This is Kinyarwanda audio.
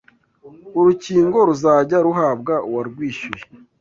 Urukingo ruzajya ruhabwa uwarwishyuye